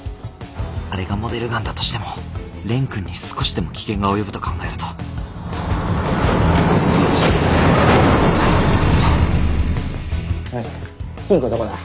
あれがモデルガンだとしても蓮くんに少しでも危険が及ぶと考えると金庫どこだ？